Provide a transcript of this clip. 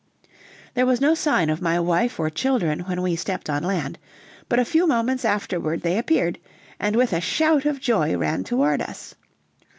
There was no sign of my wife or children when we stepped on land, but a few moments afterward they appeared, and with a shout of joy ran toward us.